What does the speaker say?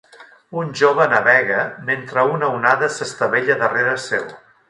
Un jove navega mentre una onada s'estavella darrere seu.